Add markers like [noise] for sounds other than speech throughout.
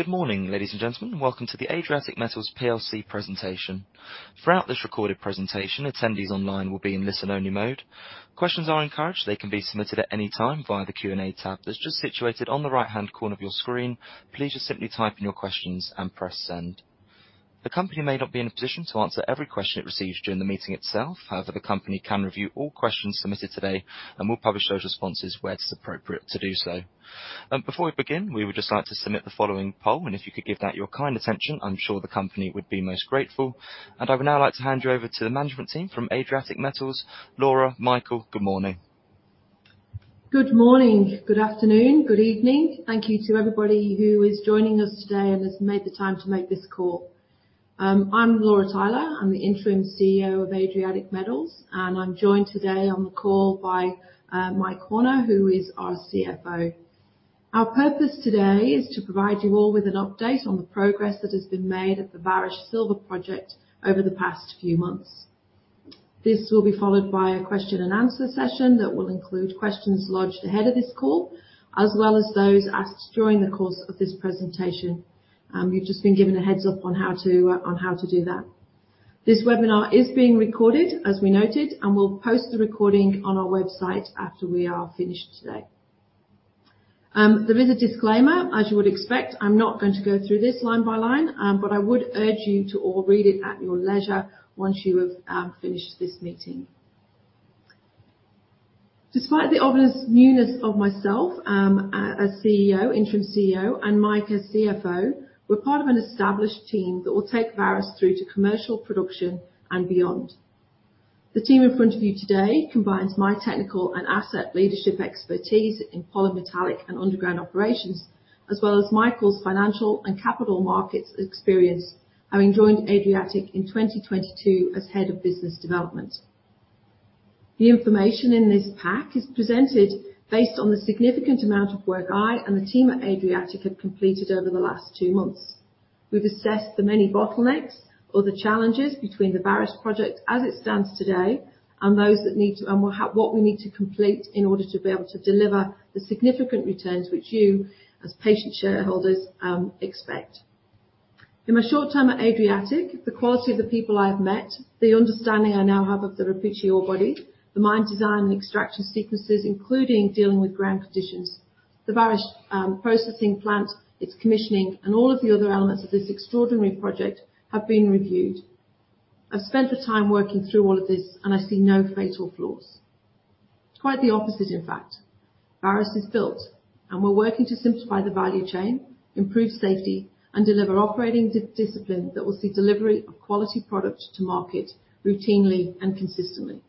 Good morning, ladies and gentlemen, and welcome to the Adriatic Metals PLC presentation. Throughout this recorded presentation, attendees online will be in listen-only mode. Questions are encouraged. They can be submitted at any time via the Q&A tab that's just situated on the right-hand corner of your screen. Please just simply type in your questions and press Send. The company may not be in a position to answer every question it receives during the meeting itself. However, the company can review all questions submitted today and will publish those responses where it's appropriate to do so. Before we begin, we would just like to submit the following poll, and if you could give that your kind attention, I'm sure the company would be most grateful. And I would now like to hand you over to the management team from Adriatic Metals. Laura, Michael, good morning. Good morning, good afternoon, good evening. Thank you to everybody who is joining us today and has made the time to make this call. I'm Laura Tyler. I'm the interim CEO of Adriatic Metals, and I'm joined today on the call by, Mike Horner, who is our CFO. Our purpose today is to provide you all with an update on the progress that has been made at the Vares Silver Project over the past few months. This will be followed by a question and answer session that will include questions lodged ahead of this call, as well as those asked during the course of this presentation. You've just been given a heads-up on how to, on how to do that. This webinar is being recorded, as we noted, and we'll post the recording on our website after we are finished today. There is a disclaimer, as you would expect. I'm not going to go through this line by line, but I would urge you to all read it at your leisure once you have finished this meeting. Despite the obvious newness of myself, as CEO, Interim CEO, and Mike as CFO, we're part of an established team that will take Vares through to commercial production and beyond. The team in front of you today combines my technical and asset leadership expertise in polymetallic and underground operations, as well as Michael's financial and capital markets experience, having joined Adriatic in 2022 as head of business development. The information in this pack is presented based on the significant amount of work I and the team at Adriatic have completed over the last two months. We've assessed the many bottlenecks or the challenges between the Vares project as it stands today and those that need to, and what we need to complete in order to be able to deliver the significant returns which you, as patient shareholders, expect. In my short time at Adriatic, the quality of the people I have met, the understanding I now have of the Rupice ore body, the mine design and extraction sequences, including dealing with ground conditions, the Vares processing plant, its commissioning, and all of the other elements of this extraordinary project have been reviewed. I've spent the time working through all of this, and I see no fatal flaws. Quite the opposite, in fact. Vares is built, and we're working to simplify the value chain, improve safety, and deliver operating discipline that will see delivery of quality products to market routinely and consistently.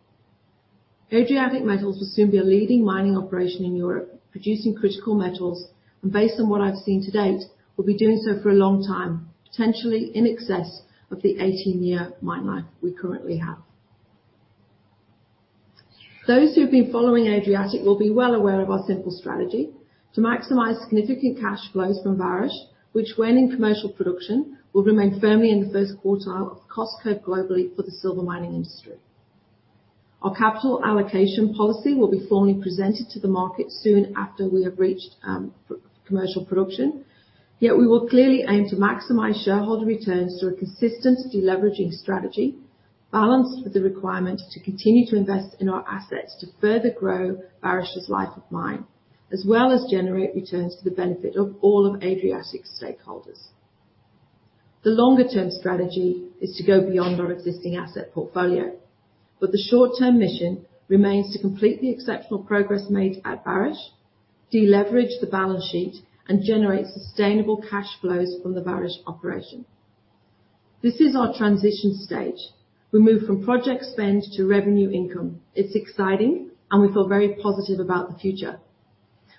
Adriatic Metals will soon be a leading mining operation in Europe, producing critical metals, and based on what I've seen to date, will be doing so for a long time, potentially in excess of the 18-year mine life we currently have. Those who've been following Adriatic will be well aware of our simple strategy: to maximize significant cash flows from Vares, which, when in commercial production, will remain firmly in the first quartile of the cost curve globally for the silver mining industry. Our capital allocation policy will be formally presented to the market soon after we have reached commercial production, yet we will clearly aim to maximize shareholder returns through a consistent deleveraging strategy, balanced with the requirement to continue to invest in our assets to further grow Vares' life of mine, as well as generate returns for the benefit of all of Adriatic's stakeholders. The longer-term strategy is to go beyond our existing asset portfolio, but the short-term mission remains to complete the exceptional progress made at Vares, deleverage the balance sheet, and generate sustainable cash flows from the Vares operation. This is our transition stage. We move from project spend to revenue income. It's exciting, and we feel very positive about the future.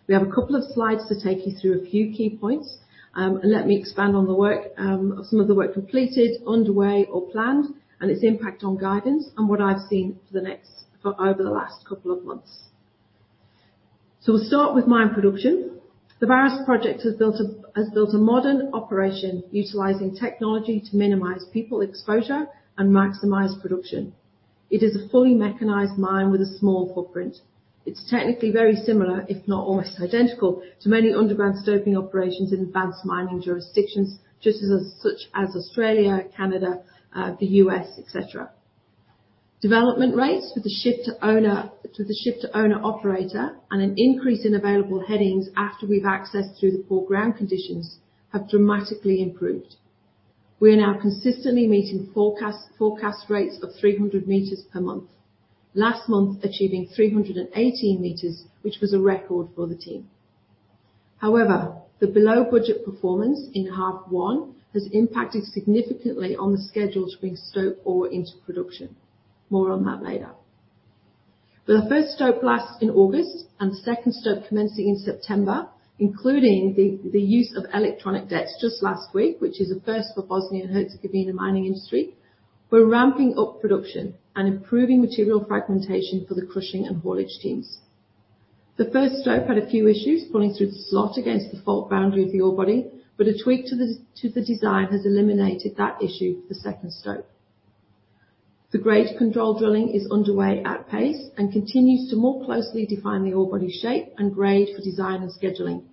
We have a couple of slides to take you through a few key points. Let me expand on the work, some of the work completed, underway, or planned, and its impact on guidance and what I've seen for over the last couple of months. So we'll start with mine production. The Vares project has built a modern operation utilizing technology to minimize people exposure and maximize production. It is a fully mechanized mine with a small footprint. It's technically very similar, if not almost identical, to many underground stoping operations in advanced mining jurisdictions, just such as Australia, Canada, the U.S., etc. Development rates with the shift to owner-operator, and an increase in available headings after we've accessed through the poor ground conditions, have dramatically improved. We are now consistently meeting forecast rates of 300 meters per month. Last month, achieving 318 meters, which was a record for the team. However, the below-budget performance in H1 has impacted significantly on the schedule to bring stope ore into production. More on that later. For the first stope last in August and the second stope commencing in September, including the use of electronic decks just last week, which is a first for Bosnia and Herzegovina mining industry, we're ramping up production and improving material fragmentation for the crushing and haulage teams. The first stope had a few issues pulling through the slot against the fault boundary of the ore body, but a tweak to the design has eliminated that issue for the second stope. The grade control drilling is underway at pace and continues to more closely define the ore body shape and grade for design and scheduling.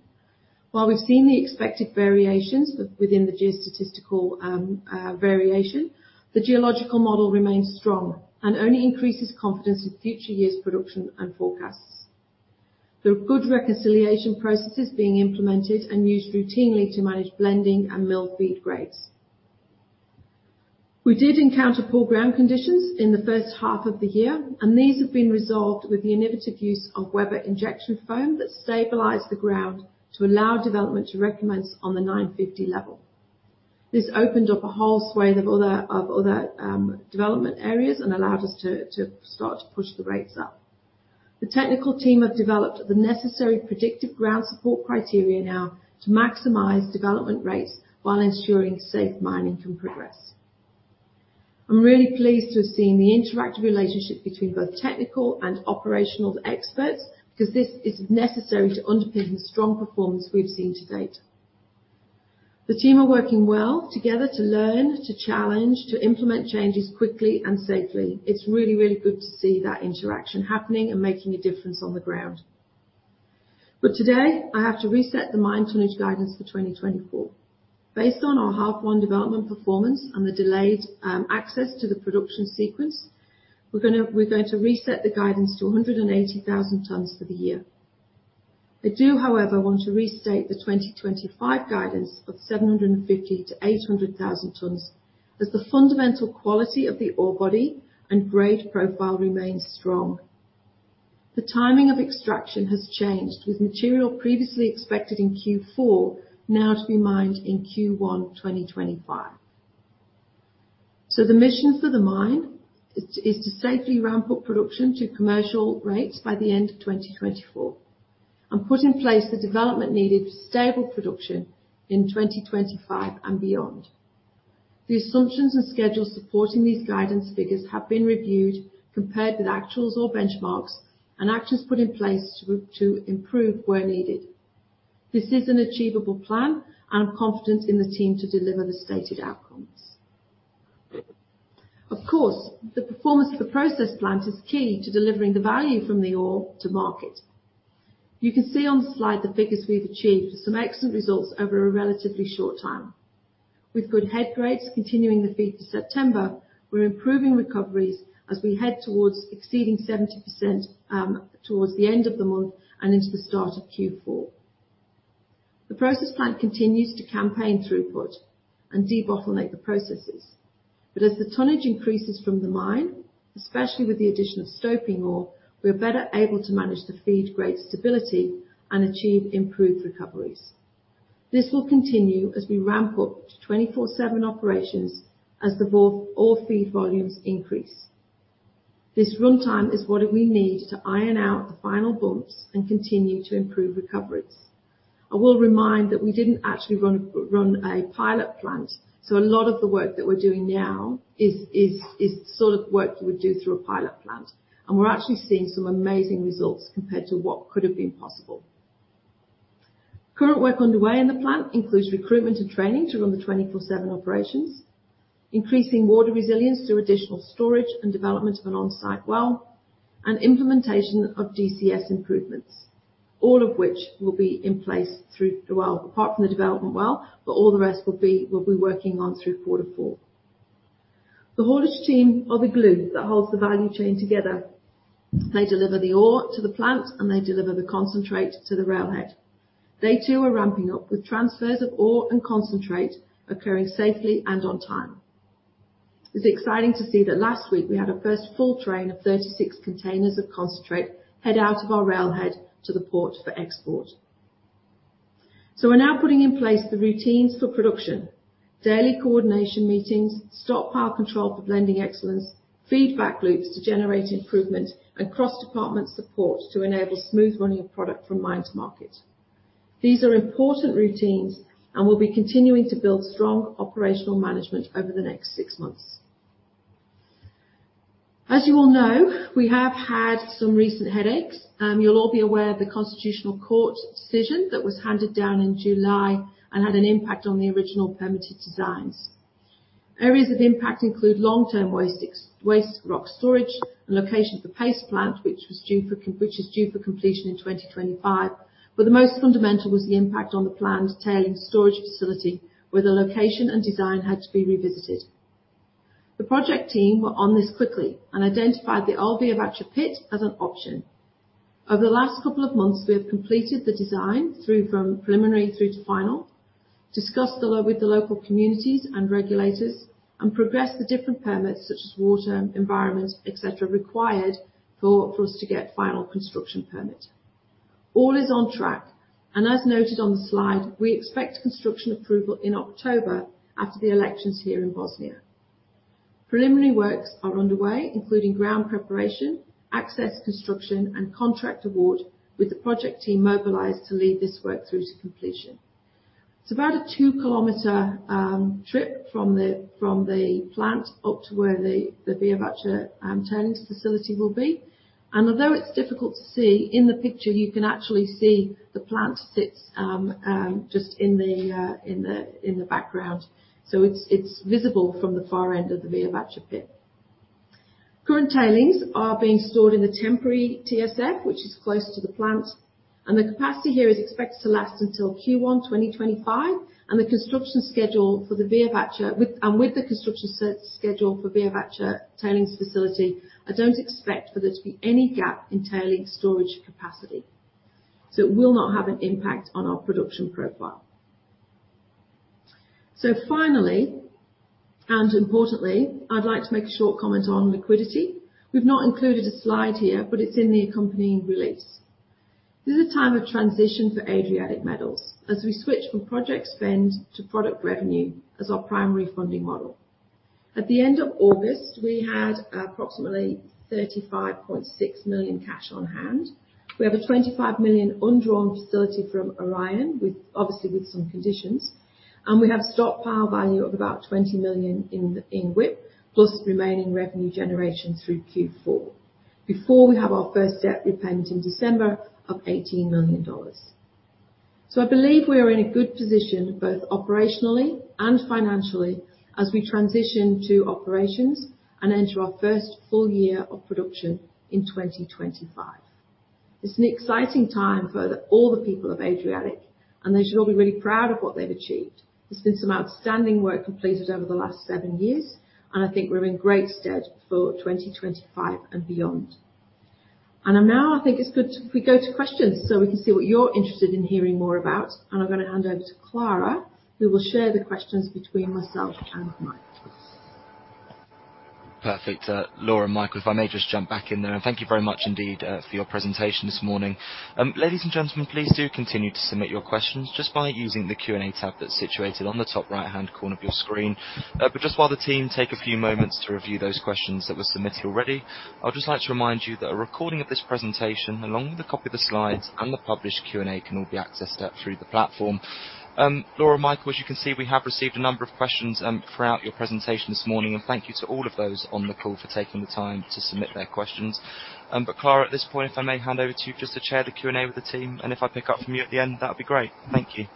While we've seen the expected variations within the geostatistical variation, the geological model remains strong and only increases confidence in future years production and forecasts. There are good reconciliation processes being implemented and used routinely to manage blending and mill feed grades. We did encounter poor ground conditions in the first half of the year, and these have been resolved with the innovative use of Weber injection foam that stabilized the ground to allow development to recommence on the 950 level. This opened up a whole swathe of other development areas and allowed us to start to push the rates up. The technical team have developed the necessary predictive ground support criteria now to maximize development rates while ensuring safe mining can progress. I'm really pleased to have seen the interactive relationship between both technical and operational experts, because this is necessary to underpin the strong performance we've seen to date. The team are working well together to learn, to challenge, to implement changes quickly and safely. It's really, really good to see that interaction happening and making a difference on the ground. But today, I have to reset the mine tonnage guidance for 2024. Based on our H1 development performance and the delayed access to the production sequence, we're going to reset the guidance to 180,000 tonnes for the year. I do, however, want to restate the 2025 guidance of 750,000-800,000 tonnes, as the fundamental quality of the ore body and grade profile remains strong. The timing of extraction has changed, with material previously expected in Q4, now to be mined in Q1, 2025. So the mission for the mine is to safely ramp up production to commercial rates by the end of 2024, and put in place the development needed for stable production in 2025 and beyond. The assumptions and schedules supporting these guidance figures have been reviewed, compared with actuals or benchmarks, and actions put in place to improve where needed. This is an achievable plan, and I'm confident in the team to deliver the stated outcomes. Of course, the performance of the process plant is key to delivering the value from the ore to market. You can see on the slide the figures we've achieved, with some excellent results over a relatively short time. With good head grades continuing the feed to September, we're improving recoveries as we head towards exceeding 70%, towards the end of the month and into the start of Q4. The process plant continues to campaign throughput and debottleneck the processes, but as the tonnage increases from the mine, especially with the addition of stoping ore, we're better able to manage the feed grade stability and achieve improved recoveries. This will continue as we ramp up to 24/7 operations as the ore feed volumes increase. This runtime is what we need to iron out the final bumps and continue to improve recoveries. I will remind that we didn't actually run a pilot plant, so a lot of the work that we're doing now is the sort of work you would do through a pilot plant, and we're actually seeing some amazing results compared to what could have been possible. Current work underway in the plant includes recruitment and training to run the 24/7 operations, increasing water resilience through additional storage and development of an on-site well, and implementation of DCS improvements, all of which will be in place through quarter four, apart from the development well, but all the rest we'll be working on through quarter four. The haulage team are the glue that holds the value chain together. They deliver the ore to the plant, and they deliver the concentrate to the railhead. They, too, are ramping up, with transfers of ore and concentrate occurring safely and on time. It's exciting to see that last week we had our first full train of 36 containers of concentrate head out of our railhead to the port for export. We're now putting in place the routines for production, daily coordination meetings, stockpile control for blending excellence, feedback loops to generate improvement, and cross-department support to enable smooth running of product from mine to market. These are important routines and will be continuing to build strong operational management over the next six months. As you all know, we have had some recent headaches. You'll all be aware of the Constitutional Court decision that was handed down in July and had an impact on the original permitted designs. Areas of impact include long-term waste rock storage and location of the paste plant, which is due for completion in 2025. But the most fundamental was the impact on the planned tailings storage facility, where the location and design had to be revisited. The project team were on this quickly and identified the Veovaca pit as an option. Over the last couple of months, we have completed the design through from preliminary through to final, discussed the location with the local communities and regulators, and progressed the different permits, such as water, environment, et cetera, required for us to get final construction permit. All is on track, and as noted on the slide, we expect construction approval in October after the elections here in Bosnia. Preliminary works are underway, including ground preparation, access construction, and contract award, with the project team mobilized to lead this work through to completion. It's about a two kilometer trip from the plant up to where the Veovaca tailings facility will be. And although it's difficult to see in the picture, you can actually see the plant sits just in the background. So it's visible from the far end of the Veovaca pit. Current tailings are being stored in the temporary TSF, which is close to the plant, and the capacity here is expected to last until Q1 2025, and the construction schedule for the Veovaca tailings facility, I don't expect for there to be any gap in tailings storage capacity. So it will not have an impact on our production profile. So finally, and importantly, I'd like to make a short comment on liquidity. We've not included a slide here, but it's in the accompanying release. This is a time of transition for Adriatic Metals as we switch from project spend to product revenue as our primary funding model. At the end of August, we had approximately $35.6 million cash on hand. We have a $25 million undrawn facility from Orion, with, obviously, with some conditions, and we have stockpile value of about $20 million in WIP, plus remaining revenue generation through Q4, before we have our first debt repayment in December of $18 million. So I believe we are in a good position, both operationally and financially, as we transition to operations and enter our first full year of production in 2025. It's an exciting time for all the people of Adriatic, and they should all be really proud of what they've achieved. There's been some outstanding work completed over the last seven years, and I think we're in great stead for 2025 and beyond. And now, I think it's good if we go to questions, so we can see what you're interested in hearing more about. And I'm going to hand over to Klara, who will share the questions between myself and Mike. Perfect. Laura and Michael, if I may just jump back in there, and thank you very much indeed, for your presentation this morning. Ladies and gentlemen, please do continue to submit your questions just by using the Q&A tab that's situated on the top right-hand corner of your screen. But just while the team take a few moments to review those questions that were submitted already, I would just like to remind you that a recording of this presentation, along with a copy of the slides and the published Q&A, can all be accessed, through the platform. Laura, Michael, as you can see, we have received a number of questions, throughout your presentation this morning, and thank you to all of those on the call for taking the time to submit their questions. But, Klara, at this point, if I may hand over to you just to chair the Q&A with the team, and if I pick up from you at the end, that would be great. Thank you.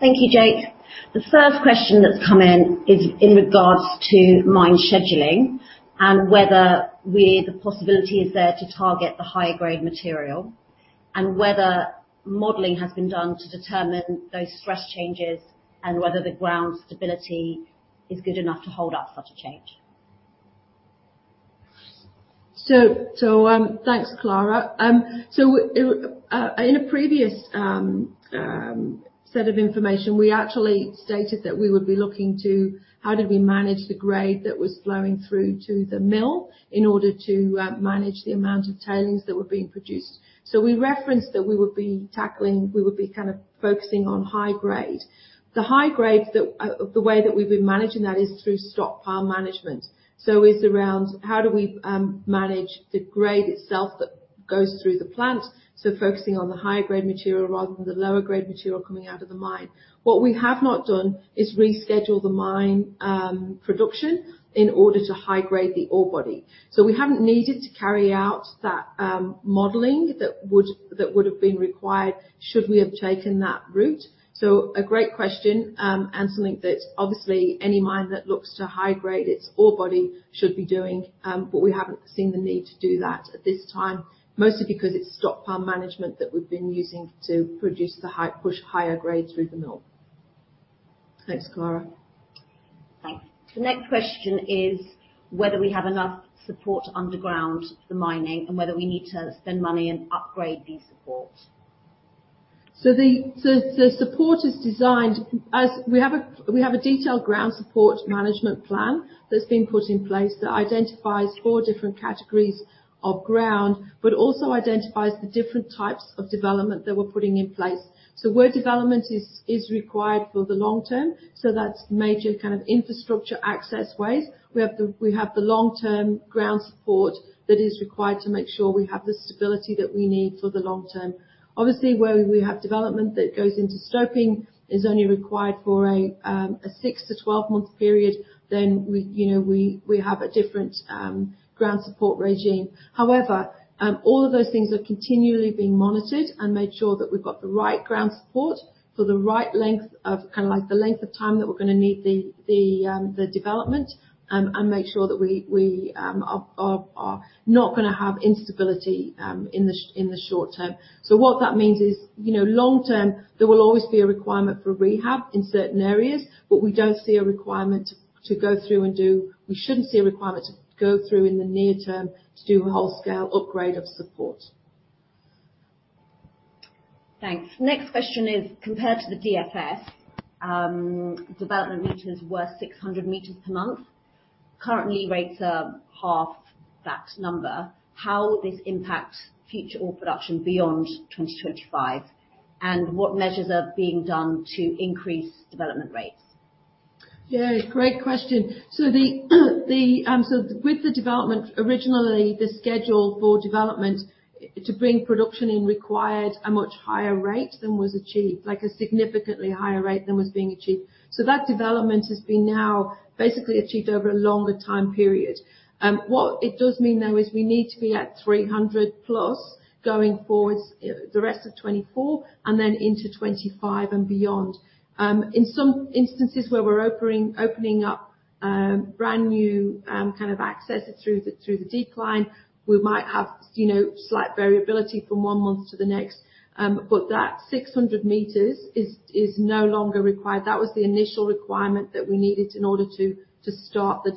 Thank you, Jake. The first question that's come in is in regards to mine scheduling, and whether where the possibility is there to target the higher grade material, and whether modeling has been done to determine those stress changes, and whether the ground stability is good enough to hold up such a change. Thanks, Klara. In a previous set of information, we actually stated that we would be looking to how do we manage the grade that was flowing through to the mill in order to manage the amount of tailings that were being produced. We referenced that we would be kind of focusing on high grade. The high grade, the way that we've been managing that is through stockpile management. So it's around how do we manage the grade itself that goes through the plant, so focusing on the higher grade material rather than the lower grade material coming out of the mine. What we have not done is reschedule the mine production in order to high grade the ore body. So we haven't needed to carry out that modeling that would have been required should we have taken that route. So a great question, and something that obviously any mine that looks to high grade its ore body should be doing, but we haven't seen the need to do that at this time, mostly because it's stockpile management that we've been using to produce higher grades through the mill. Thanks, Klara. Thanks. The next question is whether we have enough support underground for the mining and whether we need to spend money and upgrade the support? So the support is designed. As we have a detailed ground support management plan that's been put in place that identifies four different categories of ground, but also identifies the different types of development that we're putting in place. So where development is required for the long term, so that's major kind of infrastructure access ways, we have the long-term ground support that is required to make sure we have the stability that we need for the long term. Obviously, where we have development that goes into stoping is only required for a six to 12-month period, then we, you know, have a different ground support regime. However, all of those things are continually being monitored and made sure that we've got the right ground support for the right length of, kind of like the length of time that we're gonna need the development, and make sure that we are not gonna have instability in the short term. So what that means is, you know, long term, there will always be a requirement for rehab in certain areas, but we don't see a requirement to go through and we shouldn't see a requirement to go through in the near term to do a wholesale upgrade of support. Thanks. Next question is, compared to the DFS, development meters were 600 meters per month. Currently, rates are half that number. How will this impact future ore production beyond 2025, and what measures are being done to increase development rates? Yeah, great question. So with the development, originally, the schedule for development to bring production in required a much higher rate than was achieved, like a significantly higher rate than was being achieved. So that development has been now basically achieved over a longer time period. What it does mean, though, is we need to be at 300 plus going forwards, the rest of 2024 and then into 2025 and beyond. In some instances where we're opening up brand new kind of access through the decline. We might have, you know, slight variability from one month to the next. But that 600 meters is no longer required. That was the initial requirement that we needed in order to start the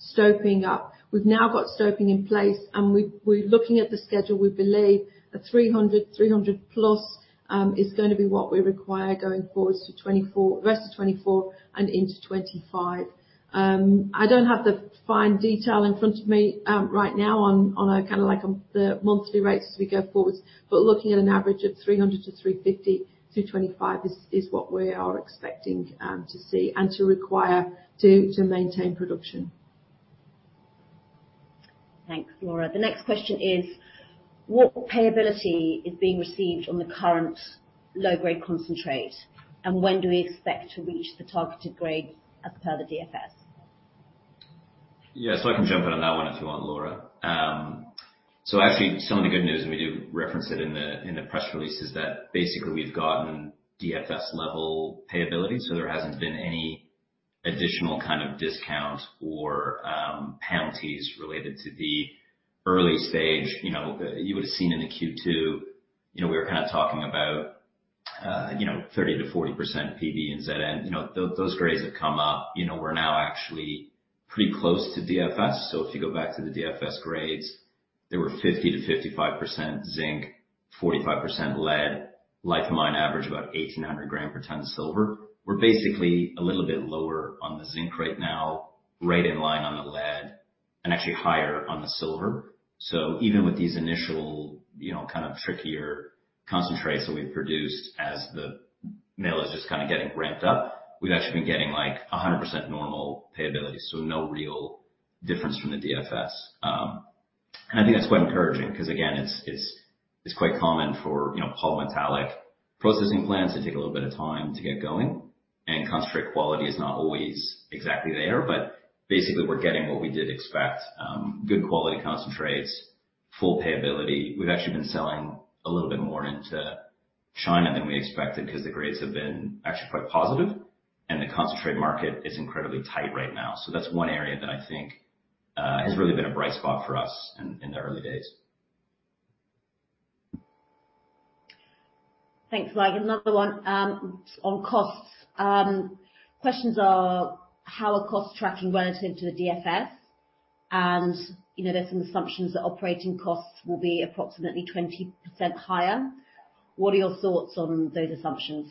stoping up. We've now got stoping in place, and we're looking at the schedule. We believe that 300 plus is going to be what we require going forwards to 2024, rest of 2024 and into 2025. I don't have the fine detail in front of me right now on a kind of like the monthly rates as we go forwards, but looking at an average of 300-350 through 2025 is what we are expecting to see and to require to maintain production. Thanks, Laura. The next question is: What payability is being received on the current low-grade concentrate, and when do we expect to reach the targeted grade as per the DFS? Yeah. So I can jump in on that one if you want, Laura. So actually, some of the good news, and we do reference it in the press release, is that basically we've gotten DFS-level payability, so there hasn't been any additional kind of discount or penalties related to the early stage. You know, you would have seen in the Q2, you know, we were kind of talking about, you know, 30%-40% Pb and Zn. You know, those grades have come up. You know, we're now actually pretty close to DFS. So if you go back to the DFS grades, they were 50%-55% zinc, 45% lead, life of mine, average about 1,800 gram per ton of silver. We're basically a little bit lower on the zinc right now, right in line on the lead, and actually higher on the silver. So even with these initial, you know, kind of trickier concentrates that we've produced as the mill is just kind of getting ramped up, we've actually been getting like 100% normal payability, so no real difference from the DFS. And I think that's quite encouraging because, again, it's quite common for, you know, polymetallic processing plants to take a little bit of time to get going, and concentrate quality is not always exactly there, but basically, we're getting what we did expect, good quality concentrates, full payability. We've actually been selling a little bit more into China than we expected because the grades have been actually quite positive and the concentrate market is incredibly tight right now. So that's one area that I think has really been a bright spot for us in the early days. Thanks, Mike. Another one, on costs. Questions are: How are costs tracking relative to the DFS? And, you know, there's some assumptions that operating costs will be approximately 20% higher. What are your thoughts on those assumptions?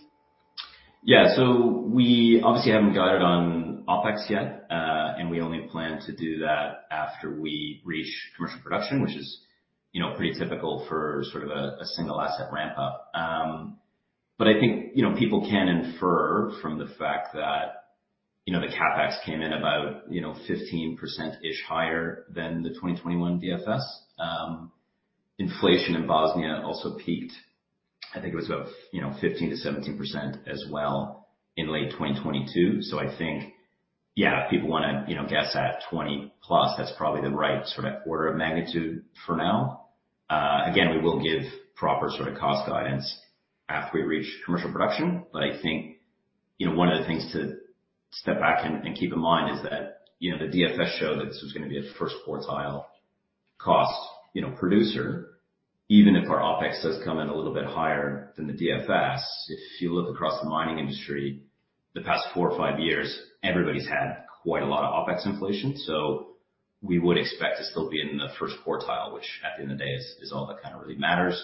Yeah. So we obviously haven't guided on OpEx yet, and we only plan to do that after we reach commercial production, which is, you know, pretty typical for sort of a, a single asset ramp-up. But I think, you know, people can infer from the fact that, you know, the CapEx came in about, you know, 15%-ish higher than the 2021 DFS. Inflation in Bosnia also peaked. I think it was about, you know, 15%-17% as well in late 2022. So I think, yeah, people want to, you know, guess at 20+, that's probably the right sort of order of magnitude for now. Again, we will give proper sort of cost guidance after we reach commercial production, but I think, you know, one of the things to step back and keep in mind is that, you know, the DFS showed that this was going to be a first quartile cost, you know, producer, even if our OpEx does come in a little bit higher than the DFS. If you look across the mining industry, the past four or five years, everybody's had quite a lot of OpEx inflation, so we would expect to still be in the first quartile, which at the end of the day is all that kind of really matters.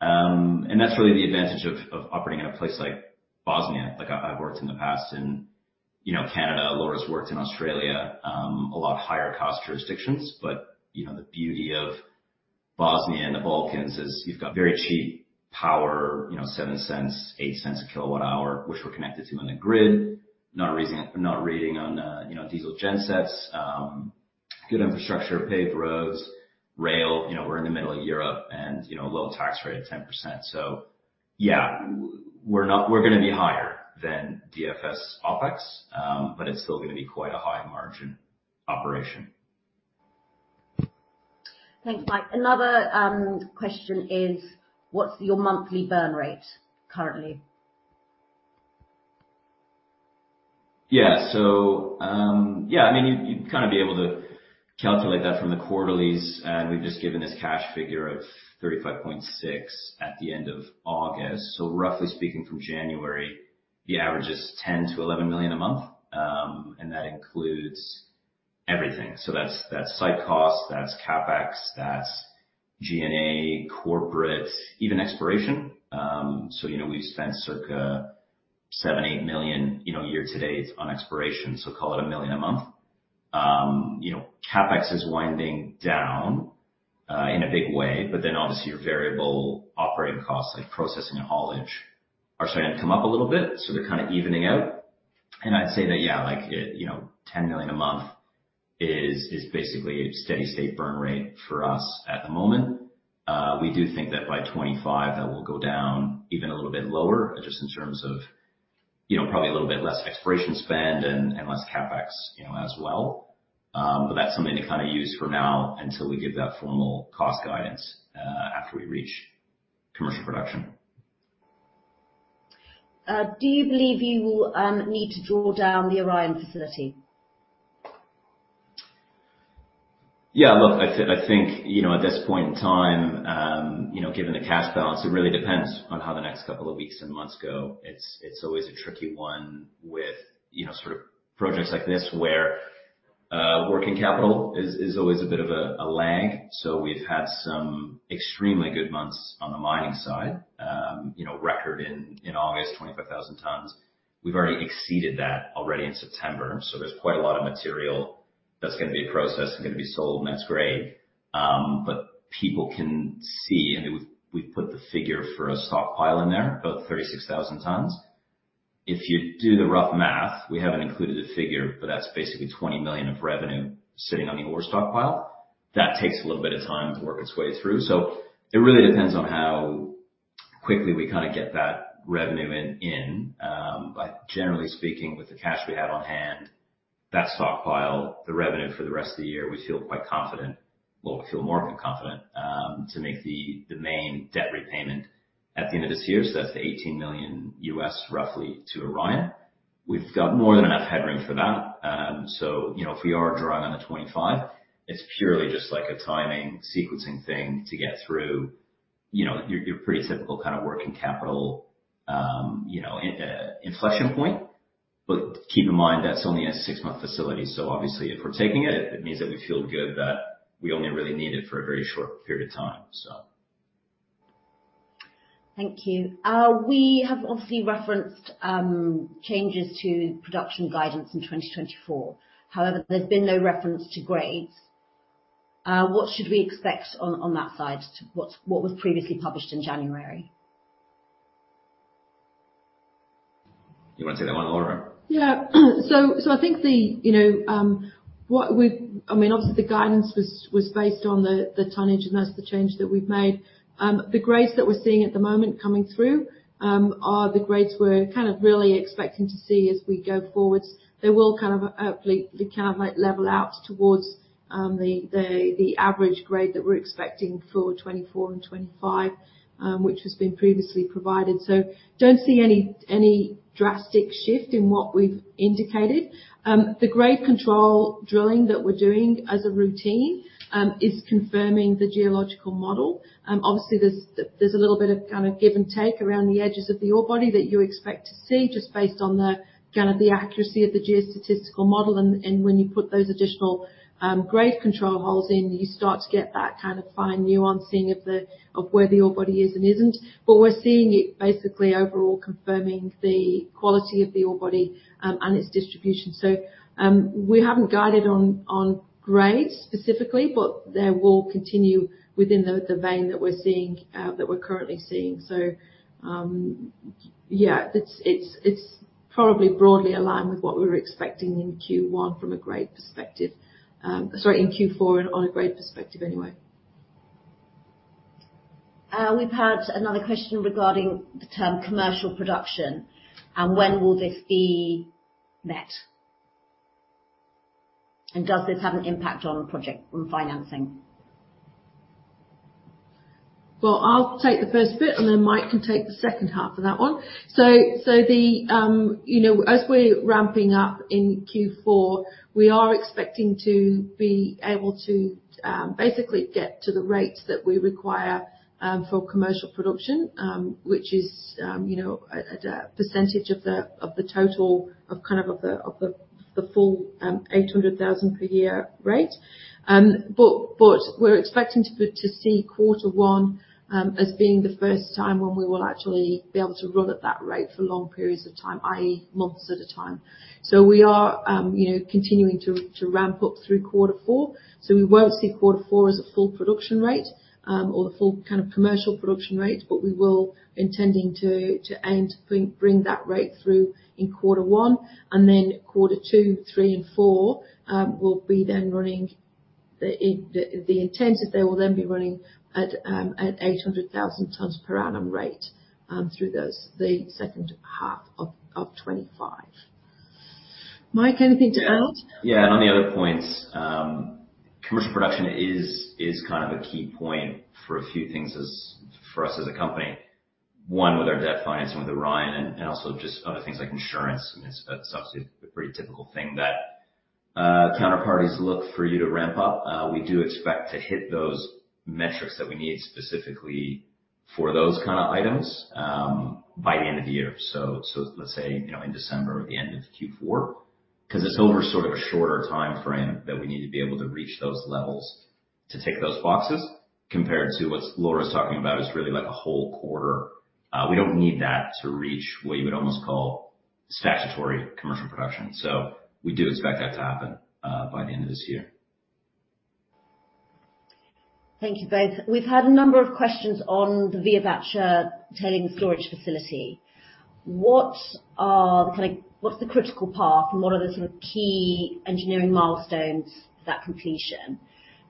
And that's really the advantage of operating in a place like Bosnia. Like, I've worked in the past in, you know, Canada, Laura's worked in Australia, a lot higher cost jurisdictions. But, you know, the beauty of Bosnia and the Balkans is you've got very cheap power, you know, $0.07-$0.08/kWh, which we're connected to on the grid. Not relying on diesel gensets, good infrastructure, paved roads, rail, you know, we're in the middle of Europe and, you know, a low tax rate of 10%. So yeah, we're not-- we're gonna be higher than DFS OpEx, but it's still gonna be quite a high margin operation. Thanks, Mike. Another question is: What's your monthly burn rate currently? Yeah. So, yeah, I mean, you, you'd kind of be able to calculate that from the quarterlies, and we've just given this cash figure of $35.6 million at the end of August. So roughly speaking, from January, the average is $10 million-$11 million a month, and that includes everything. So that's site costs, that's CapEx, that's G&A, corporate, even exploration. So you know, we've spent circa $7 million-$8 million, you know, year to date on exploration, so call it $1 million a month. You know, CapEx is winding down in a big way, but then obviously, your variable operating costs, like processing and haulage, are starting to come up a little bit, so they're kind of evening out. And I'd say that, you know, $10 million a month is basically a steady state burn rate for us at the moment. We do think that by 2025, that will go down even a little bit lower, just in terms of, you know, probably a little bit less exploration spend and less CapEx, you know, as well. But that's something to kind of use for now until we give that formal cost guidance after we reach commercial production. Do you believe you will need to draw down the Orion facility? Yeah, look, I think, you know, at this point in time, you know, given the cash balance, it really depends on how the next couple of weeks and months go. It's always a tricky one with, you know, sort of projects like this, where working capital is always a bit of a lag. So we've had some extremely good months on the mining side. You know, record in August, 25,000 tonnes. We've already exceeded that in September, so there's quite a lot of material that's gonna be processed and gonna be sold next quarter. But people can see, and we've put the figure for a stockpile in there, about 36,000 tonnes. If you do the rough math, we haven't included a figure, but that's basically $20 million of revenue sitting on the ore stockpile. That takes a little bit of time to work its way through. So it really depends on how quickly we kind of get that revenue in, but generally speaking, with the cash we have on hand, that stockpile, the revenue for the rest of the year, we feel quite confident. Well, we feel more quite confident to make the main debt repayment at the end of this year. So that's the $18 million, roughly, to Orion. We've got more than enough headroom for that. So, you know, if we are drawing on the $25 million, it's purely just like a timing, sequencing thing to get through, you know, your pretty typical kind of working capital, you know, at an inflection point. But keep in mind, that's only a six-month facility, so obviously, if we're taking it, it means that we feel good that we only really need it for a very short period of time, so. Thank you. We have obviously referenced changes to production guidance in 2024, however, there's been no reference to grades. What should we expect on that side to what was previously published in January? You want to take that one, Laura? Yeah. So I think the, you know, what we've-- I mean, obviously, the guidance was based on the tonnage, and that's the change that we've made. The grades that we're seeing at the moment coming through are the grades we're kind of really expecting to see as we go forward. They will kind of, hopefully, kind of, like, level out towards the average grade that we're expecting for '24 and '25, which has been previously provided. So don't see any drastic shift in what we've indicated. The grade control drilling that we're doing as a routine is confirming the geological model. Obviously, there's a little bit of kind of give and take around the edges of the ore body that you expect to see, just based on the kind of the accuracy of the geostatistical model. When you put those additional grade control holes in, you start to get that kind of fine nuancing of where the ore body is and isn't. We're seeing it basically overall confirming the quality of the ore body and its distribution. We haven't guided on grades specifically, but they will continue within the vein that we're seeing that we're currently seeing. Yeah, it's probably broadly aligned with what we were expecting in Q1 from a grade perspective. Sorry, in Q4, on a grade perspective anyway. We've had another question regarding the term commercial production, and when will this be met? And does this have an impact on project financing? I'll take the first bit, and then Mike can take the second half of that one. So the, you know, as we're ramping up in Q4, we are expecting to be able to basically get to the rates that we require for commercial production, which is, you know, at a percentage of the total, kind of, the full eight hundred thousand per year rate. But we're expecting to see Quarter One as being the first time when we will actually be able to run at that rate for long periods of time, i.e., months at a time. So we are, you know, continuing to ramp up through Quarter Four. So we won't see Quarter Four as a full production rate, or a full kind of commercial production rate, but we will intending to aim to bring that rate through in Quarter One, and then Quarter Two, three, and four will be then running at 800,000 tonnes per annum rate through the second half of 2025. Mike, anything to add? Yeah, and on the other points, commercial production is kind of a key point for a few things as for us as a company. One, with our debt financing with Orion and also just other things like insurance. I mean, it's, that's obviously a pretty typical thing that counterparties look for you to ramp up. We do expect to hit those metrics that we need, specifically for those kind of items, by the end of the year. So let's say, you know, in December, or the end of Q4, 'cause it's over sort of a shorter timeframe that we need to be able to reach those levels to tick those boxes, compared to what Laura's talking about, is really like a whole quarter. We don't need that to reach what you would almost call statutory commercial production, so we do expect that to happen by the end of this year. Thank you both. We've had a number of questions on the Veovaca tailings storage facility. What's the critical path, and what are the sort of key engineering milestones for that completion?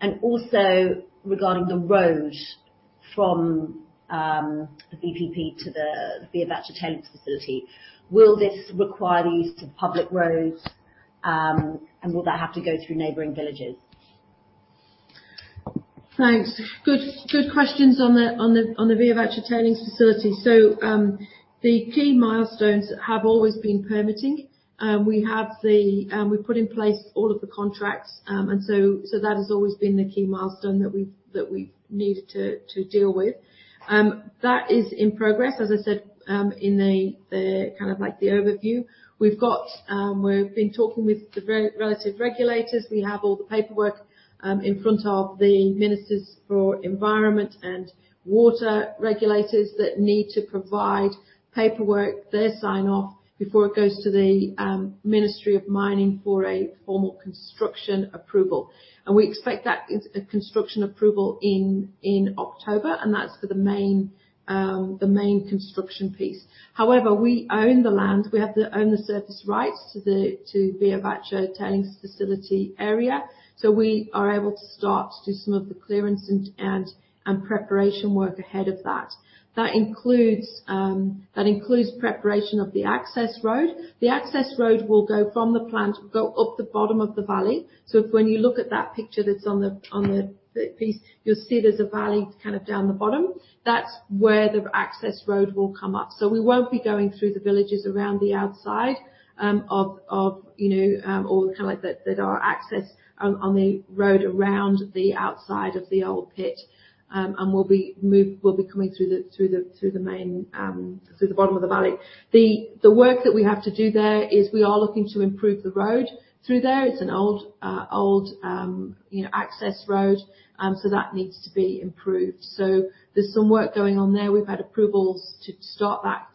And also, regarding the road from the VPP to the Veovaca tailings facility, will this require the use of public roads? And will that have to go through neighboring villages? Thanks. Good questions on the Veovaca tailings facility. The key milestones have always been permitting. We put in place all of the contracts. And so that has always been the key milestone that we've needed to deal with. That is in progress, as I said, in the kind of like the overview. We've been talking with the relevant regulators. We have all the paperwork in front of the ministers for environment and water regulators that need to provide paperwork, their sign-off, before it goes to the Ministry of Mining for a formal construction approval. And we expect a construction approval in October, and that's for the main construction piece. However, we own the land. We own the surface rights to the Veovaca tailings facility area, so we are able to start to do some of the clearance and preparation work ahead of that. That includes preparation of the access road. The access road will go from the plant up the bottom of the valley. So if when you look at that picture that's on the piece, you'll see there's a valley kind of down the bottom. That's where the access road will come up. So we won't be going through the villages around the outside of you know or kind of like that that are accessed on the road around the outside of the old pit. And we'll be coming through the main through the bottom of the valley. The work that we have to do there is we are looking to improve the road through there. It's an old, you know, access road, so that needs to be improved. So there's some work going on there. We've had approvals to start that,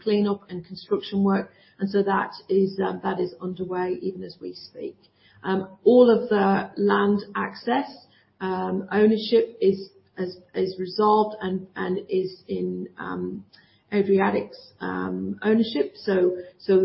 cleanup and construction work, and so that is underway even as we speak. All of the land access ownership is resolved and is in Adriatic's ownership. So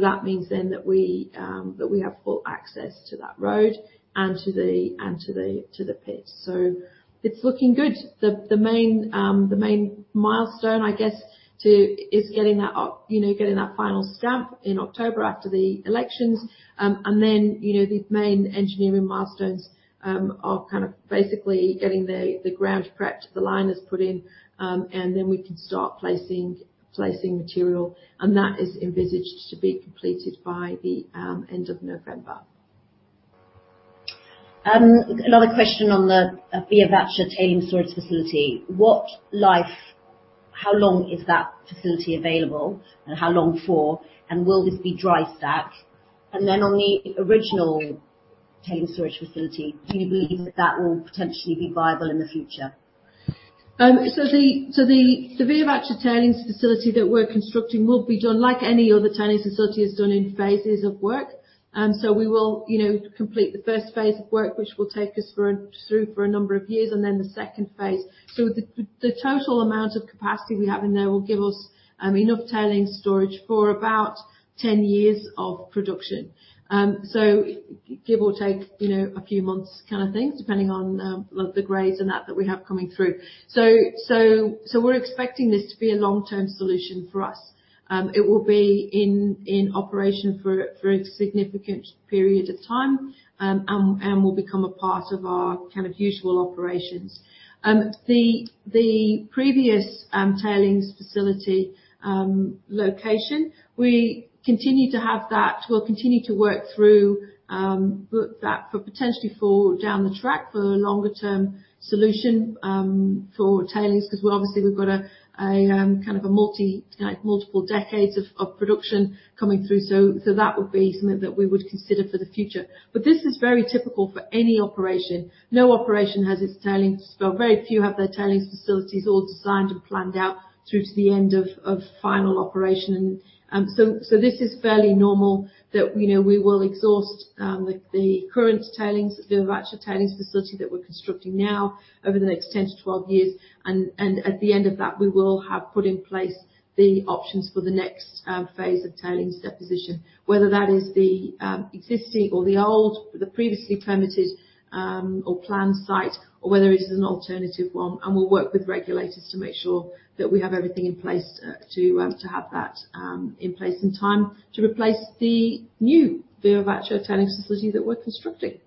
that means then that we have full access to that road and to the pit. So it's looking good. The main milestone, I guess, is getting that up, you know, getting that final stamp in October after the elections. And then, you know, the main engineering milestones are kind of basically getting the ground prepped, the line is put in, and then we can start placing material, and that is envisaged to be completed by the end of November. Another question on the Veovaca tailings storage facility. How long is that facility available, and how long for? And will this be dry stack? And then on the original tailings storage facility, do you believe that that will potentially be viable in the future? So the Veovaca tailings facility that we're constructing will be done like any other tailings facility, is done in phases of work. So we will, you know, complete the first phase of work, which will take us through a number of years, and then the second phase. So the total amount of capacity we have in there will give us enough tailings storage for about 10 years of production. So give or take, you know, a few months kind of things, depending on the grades and that we have coming through. So we're expecting this to be a long-term solution for us. It will be in operation for a significant period of time, and will become a part of our kind of usual operations. The previous tailings facility location, we continue to have that. We'll continue to work through that for potentially for down the track, for a longer-term solution for tailings, because we're obviously we've got a kind of a multi-like multiple decades of production coming through. So that would be something that we would consider for the future. But this is very typical for any operation. No operation has its tailings, well, very few have their tailings facilities all designed and planned out through to the end of final operation. And so this is fairly normal that, you know, we will exhaust the current tailings, the Veovaca tailings facility that we're constructing now over the next 10 years-12 years, and at the end of that, we will have put in place the options for the next phase of tailings deposition. Whether that is the existing or the old, the previously permitted or planned site, or whether it is an alternative one. And we'll work with regulators to make sure that we have everything in place to have that in place in time to replace the new Veovaca tailings facility that we're constructing.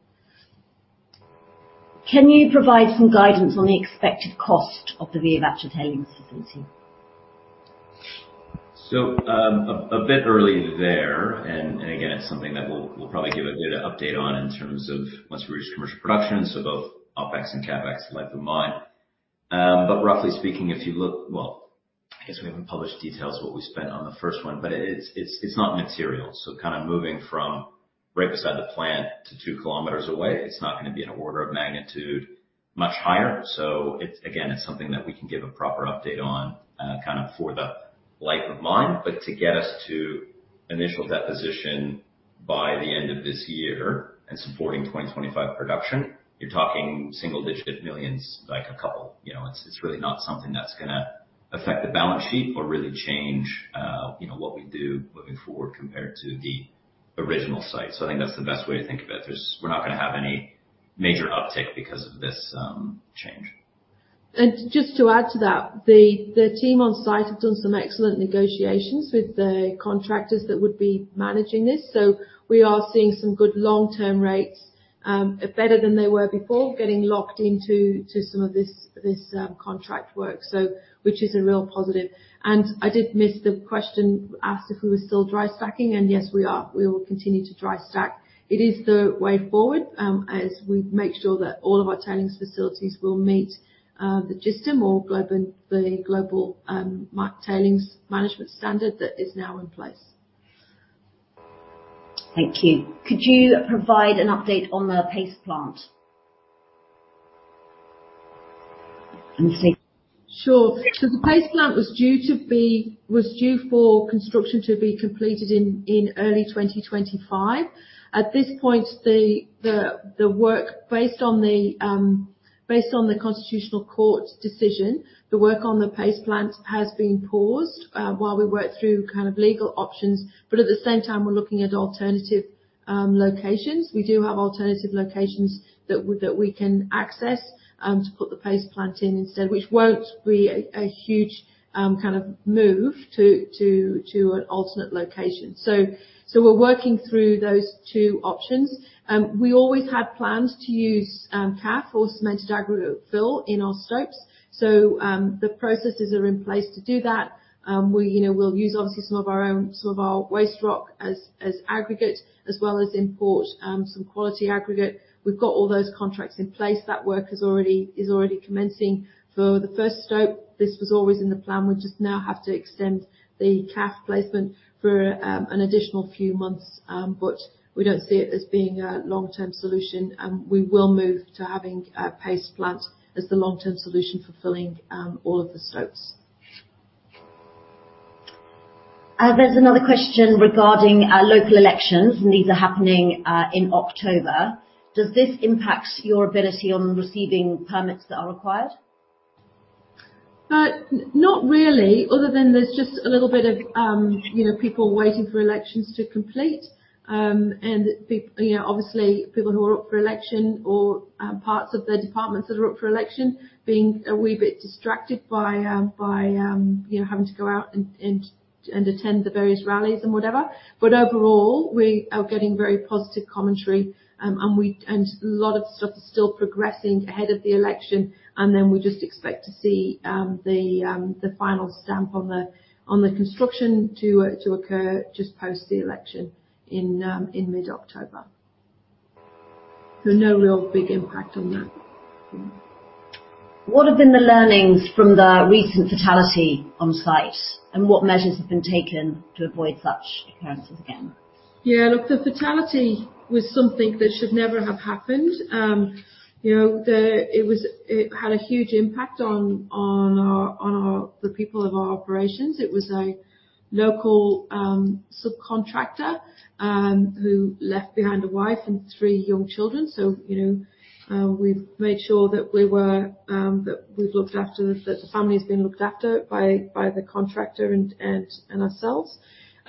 Can you provide some guidance on the expected cost of the Veovaca tailings facility? So, a bit early there, and again, it's something that we'll probably give a better update on in terms of once we reach commercial production, so both OpEx and CapEx, life of mine. But roughly speaking, well, I guess we haven't published details what we spent on the first one, but it's not material. So kind of moving from right beside the plant to two kilometers away, it's not going to be an order of magnitude, much higher. So it's again something that we can give a proper update on, kind of for the life of mine. But to get us to initial deposition by the end of this year and supporting 2025 production, you're talking single digit millions, like a couple. You know, it's really not something that's gonna affect the balance sheet or really change, you know, what we do moving forward compared to the original site. So I think that's the best way to think of it. There's. We're not gonna have any major uptick because of this change. Just to add to that, the team on site have done some excellent negotiations with the contractors that would be managing this. So we are seeing some good long-term rates, better than they were before, getting locked into some of this contract work, so which is a real positive. I did miss the question asked if we were still dry stacking, and yes, we are. We will continue to dry stack. It is the way forward, as we make sure that all of our tailings facilities will meet the GISTM or Global Tailings Management Standard that is now in place. Thank you. Could you provide an update on the paste plant? Let me see. Sure. So the paste plant was due for construction to be completed in early 2025. At this point, the work, based on the Constitutional Court's decision, the work on the paste plant has been paused while we work through kind of legal options, but at the same time, we're looking at alternative locations. We do have alternative locations that we can access to put the paste plant in instead, which won't be a huge kind of move to an alternate location. So we're working through those two options. We always had plans to use CAF or cemented aggregate fill in our stopes. So the processes are in place to do that. We, you know, will use obviously some of our own, some of our waste rock as aggregate, as well as import some quality aggregate. We've got all those contracts in place. That work is already commencing for the first stope. This was always in the plan. We just now have to extend the CAF placement for an additional few months, but we don't see it as being a long-term solution. We will move to having paste plants as the long-term solution for filling all of the stopes. There's another question regarding local elections, and these are happening in October. Does this impact your ability on receiving permits that are required? Not really, other than there's just a little bit of, you know, people waiting for elections to complete. And you know, obviously, people who are up for election or, parts of the departments that are up for election, being a wee bit distracted by, you know, having to go out and attend the various rallies and whatever. But overall, we are getting very positive commentary, and a lot of stuff is still progressing ahead of the election, and then we just expect to see the final stamp on the construction to occur just post the election in mid-October. So no real big impact on that. What have been the learnings from the recent fatality on site, and what measures have been taken to avoid such occurrences again? Yeah, look, the fatality was something that should never have happened. You know, it had a huge impact on our people of our operations. It was a local subcontractor who left behind a wife and three young children. So, you know, we've made sure that the family has been looked after by the contractor and ourselves.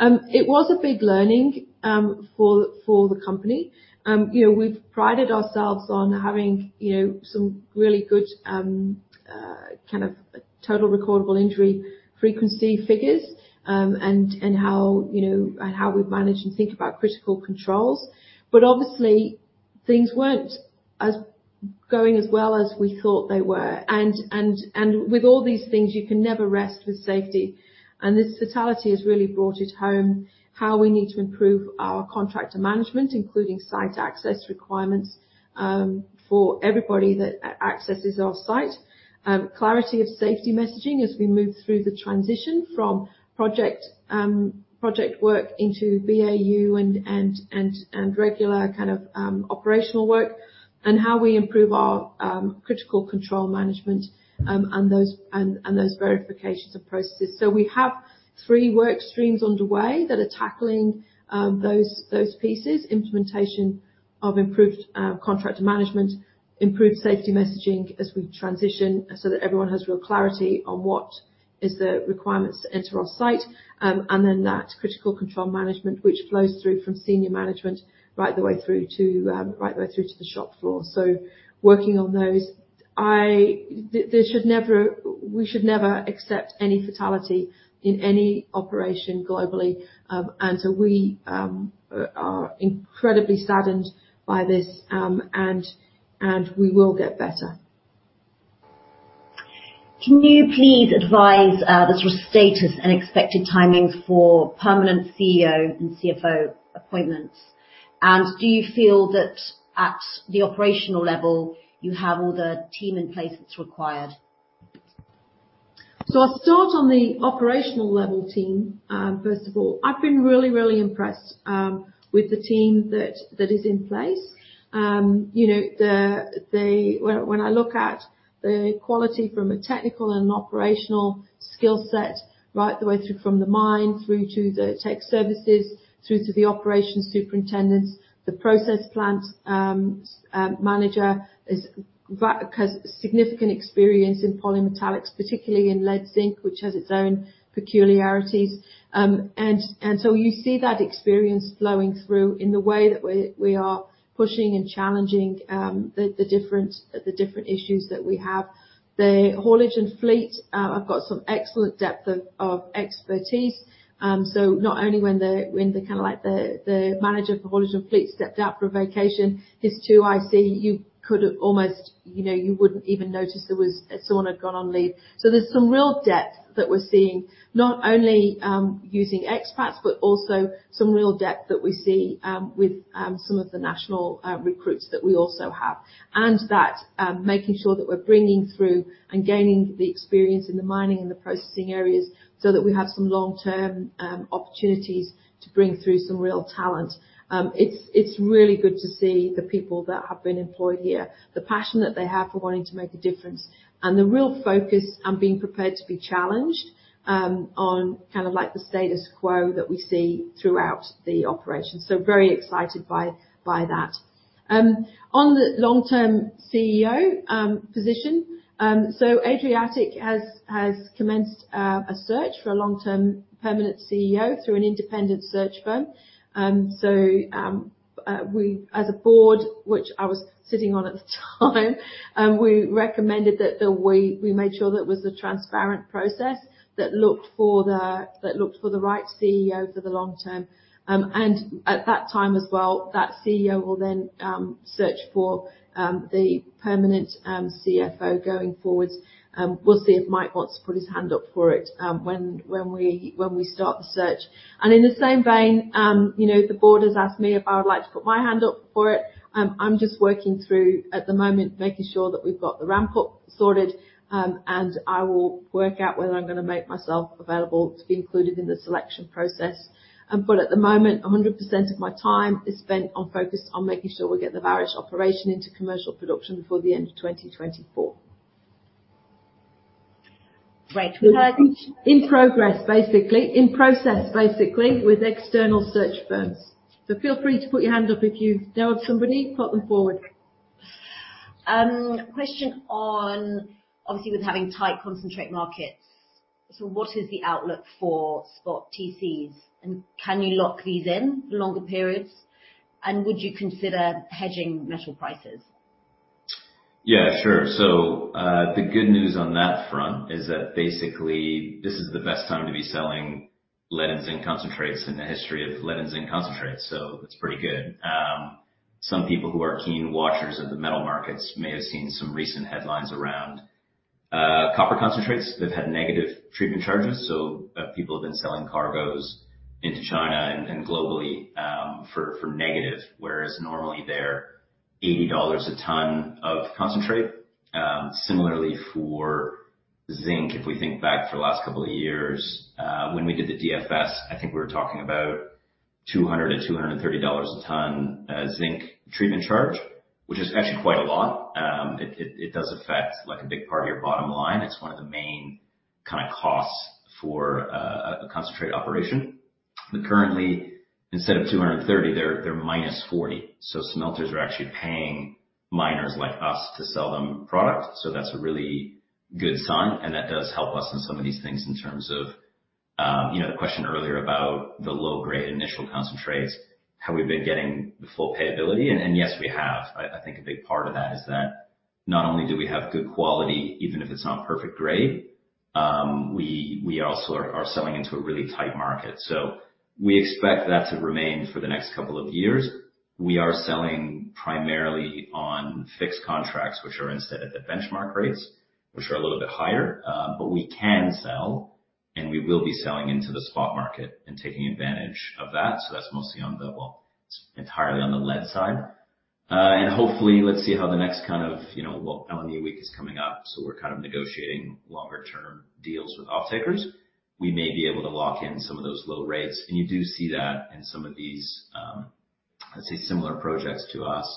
It was a big learning for the company. You know, we've prided ourselves on having some really good kind of total recordable injury frequency figures, and how we've managed to think about critical controls. But obviously, things weren't going as well as we thought they were. And with all these things, you can never rest with safety. And this fatality has really brought it home, how we need to improve our contractor management, including site access requirements, for everybody that accesses our site. Clarity of safety messaging as we move through the transition from project work into BAU and regular kind of operational work, and how we improve our critical control management, and those verifications and processes. We have three work streams underway that are tackling those pieces: implementation of improved contract management, improved safety messaging as we transition, so that everyone has real clarity on what is the requirements to enter our site, and then that critical control management, which flows through from senior management right the way through to the shop floor. Working on those, we should never accept any fatality in any operation globally. We are incredibly saddened by this, and we will get better. Can you please advise the sort of status and expected timing for permanent CEO and CFO appointments? And do you feel that at the operational level, you have all the team in place that's required? I'll start on the operational level team. First of all, I've been really, really impressed with the team that is in place. You know, when I look at the quality from a technical and operational skill set, right the way through from the mine, through to the tech services, through to the operations superintendents, the process plant manager has significant experience in polymetallics, particularly in lead zinc, which has its own peculiarities. And so you see that experience flowing through in the way that we are pushing and challenging the different issues that we have. The haulage and fleet have got some excellent depth of expertise. So not only when the manager for haulage and fleet stepped out for a vacation, his 2IC, you could have almost, you know, you wouldn't even notice there was someone had gone on leave. So there's some real depth that we're seeing, not only using expats, but also some real depth that we see with some of the national recruits that we also have. And that making sure that we're bringing through and gaining the experience in the mining and the processing areas, so that we have some long-term opportunities to bring through some real talent. It's really good to see the people that have been employed here, the passion that they have for wanting to make a difference, and the real focus on being prepared to be challenged on kind of like the status quo that we see throughout the operation, so very excited by that. On the long-term CEO position, so Adriatic has commenced a search for a long-term permanent CEO through an independent search firm, so we as a board, which I was sitting on at the time, we recommended that we made sure that it was a transparent process that looked for the right CEO for the long term, and at that time as well, that CEO will then search for the permanent CFO going forward. We'll see if Mike wants to put his hand up for it, when we start the search. And in the same vein, you know, the board has asked me if I would like to put my hand up for it. I'm just working through at the moment, making sure that we've got the ramp up sorted, and I will work out whether I'm gonna make myself available to be included in the selection process. But at the moment, 100% of my time is spent on focus on making sure we get the Vares operation into commercial production before the end of 2024. Great. In progress, basically. In process, basically, with external search firms. So feel free to put your hand up if you know of somebody, put them forward. Question on, obviously, with having tight concentrate markets, so what is the outlook for spot TCs? And can you lock these in for longer periods, and would you consider hedging metal prices? Yeah, sure. So, the good news on that front is that basically this is the best time to be selling lead and zinc concentrates in the history of lead and zinc concentrates, so it's pretty good. Some people who are keen watchers of the metal markets may have seen some recent headlines around copper concentrates that have had negative treatment charges, so people have been selling cargoes into China and globally for negative, whereas normally they're $80 a ton of concentrate. Similarly for zinc, if we think back for the last couple of years, when we did the DFS, I think we were talking about $200-$230 a ton zinc treatment charge, which is actually quite a lot. It does affect like a big part of your bottom line. It's one of the main kind of costs for a concentrate operation. But currently, instead of $230, they're -$40, so smelters are actually paying miners like us to sell them product. So that's a really good sign, and that does help us in some of these things in terms of, you know, the question earlier about the low-grade initial concentrates, have we been getting the full payability? And yes, we have. I think a big part of that is that not only do we have good quality, even if it's not perfect grade, we also are selling into a really tight market. So we expect that to remain for the next couple of years. We are selling primarily on fixed contracts, which are instead at the benchmark rates, which are a little bit higher, but we can sell and we will be selling into the spot market and taking advantage of that. So that's mostly on the, well, it's entirely on the lead side. And hopefully, let's see how the next kind of, you know, well, LME Week is coming up, so we're kind of negotiating longer-term deals with off-takers. We may be able to lock in some of those low rates, and you do see that in some of these, let's say, similar projects to us.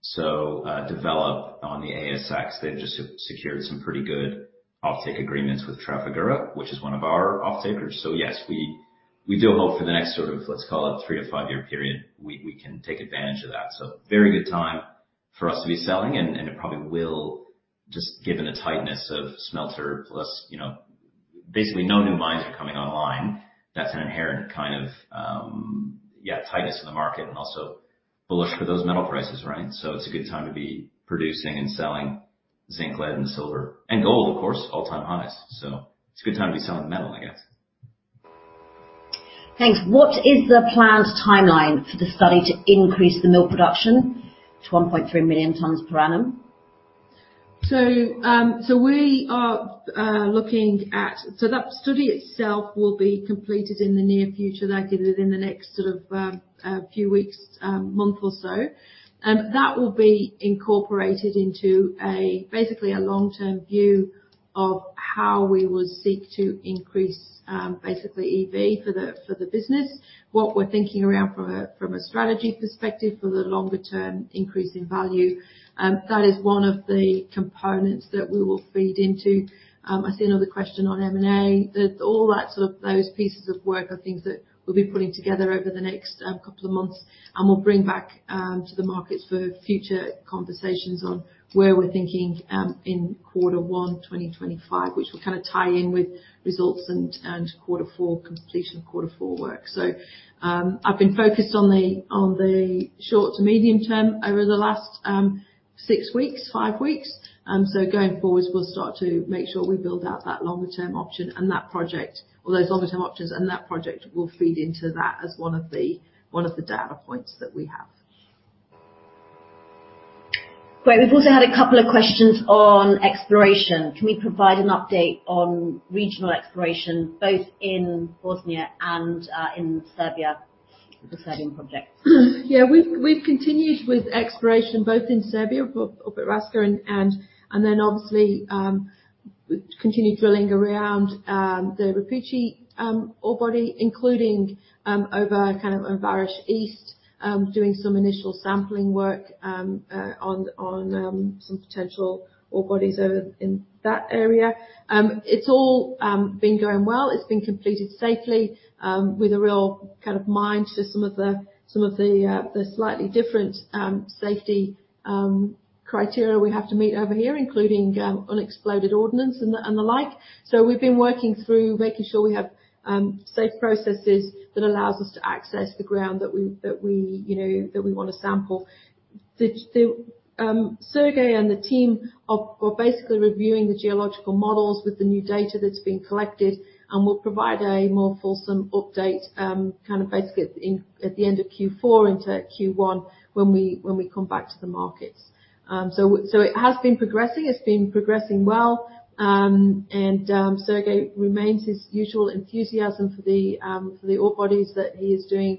So, Develop on the ASX, they've just secured some pretty good off-take agreements with Trafigura, which is one of our off-takers. So yes, we do hope for the next sort of, let's call it three-to-five-year period, we can take advantage of that. Very good time for us to be selling, and it probably will just given the tightness of smelter, plus, you know, basically no new mines are coming online. That's an inherent kind of, yeah, tightness in the market and also bullish for those metal prices, right? It's a good time to be producing and selling zinc, lead, and silver, and gold, of course, all-time highs. It's a good time to be selling metal, I guess. Thanks. What is the planned timeline for the study to increase the mill production to 1.3 million tonnes per annum? So we are looking at that study itself will be completed in the near future, likely within the next sort of a few weeks, month or so. And that will be incorporated into basically a long-term view of how we will seek to increase basically EV for the business. What we're thinking around from a strategy perspective for the longer term increase in value, that is one of the components that we will feed into. I see another question on M&A. That all that sort of those pieces of work are things that we'll be putting together over the next couple of months, and we'll bring back to the markets for future conversations on where we're thinking in quarter one, 2025, which will kind of tie in with results and quarter four completion, quarter four work. So, I've been focused on the short to medium term over the last six weeks, five weeks. So going forward, we'll start to make sure we build out that longer term option and that project, all those longer term options and that project will feed into that as one of the data points that we have. Great. We've also had a couple of questions on exploration. Can we provide an update on regional exploration, both in Bosnia and, in Serbia, the Serbian projects? Yeah, we've continued with exploration both in Serbia, up at Raska and then obviously, we've continued drilling around the Rupice ore body, including over kind of on Vares East, doing some initial sampling work on some potential ore bodies over in that area. It's all been going well. It's been completed safely with a real kind of mind to some of the slightly different safety criteria we have to meet over here, including unexploded ordnance and the like. So we've been working through making sure we have safe processes that allows us to access the ground that we you know that we want to sample. Sergei and the team are basically reviewing the geological models with the new data that's been collected, and we'll provide a more fulsome update at the end of Q4 into Q1 when we come back to the markets. It has been progressing. It's been progressing well, and Sergei remains his usual enthusiasm for the ore bodies that he is doing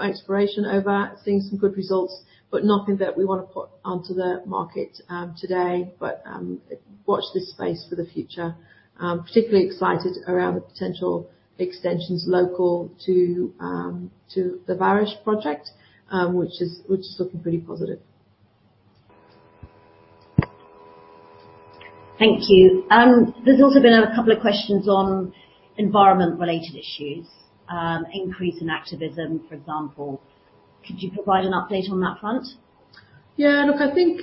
exploration over, seeing some good results, but nothing that we want to put onto the market today. But watch this space for the future. Particularly excited around the potential extensions local to the Vares project, which is looking pretty positive. Thank you. There's also been a couple of questions on environment-related issues, increase in activism, for example. Could you provide an update on that front? Yeah, look, I think